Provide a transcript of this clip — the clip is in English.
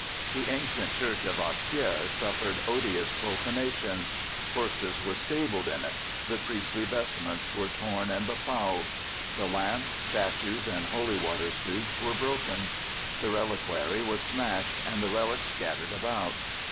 The ancient church of Hastiere suffered odious profanation. Horses were stabled in it. The priestly vestments were torn and befouled. The lamps, statues, and holy water stoups were broken. The reliquary was smashed, and the relics scattered about.